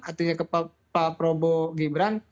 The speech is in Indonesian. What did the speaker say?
artinya ke pak prabowo gibran